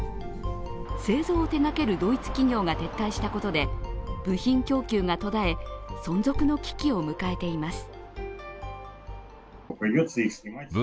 製造を手がけるドイツ企業が撤退したことで部品供給が途絶え、存続の危機を迎えています。